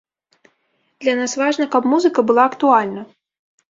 Для нас важна, каб музыка была актуальна.